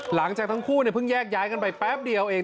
หลังจากทั้งคู่เพิ่งแยกย้ายกันไปแป๊บเดียวเอง